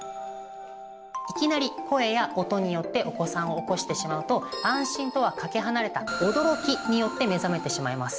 いきなり声や音によってお子さんを起こしてしまうと安心とはかけ離れた驚きによって目覚めてしまいます。